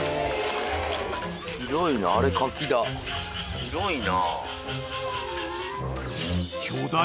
広いな。